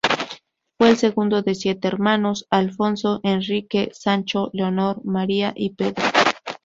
Fue el segundo de siete hermanos: Alfonso, Enrique, Sancho, Leonor, María y Pedro.